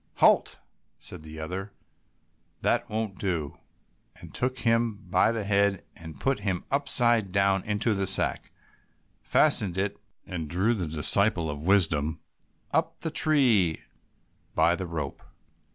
"Halt!" said the other, "that won't do," and took him by the head and put him upside down into the sack, fastened it, and drew the disciple of wisdom up the tree by the rope.